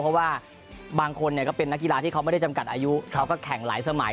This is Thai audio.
เพราะว่าบางคนก็เป็นนักกีฬาที่เขาไม่ได้จำกัดอายุเขาก็แข่งหลายสมัย